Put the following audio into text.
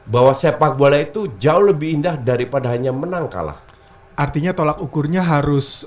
bahwa sepak bola itu jauh lebih indah daripada hanya menang kalah artinya tolak ukurnya harus